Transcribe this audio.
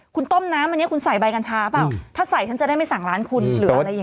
คุณต้มน้ำอันนี้คุณใส่ใบกัญชาเปล่าถ้าใส่ฉันจะได้ไม่สั่งร้านคุณหรืออะไรอย่างนี้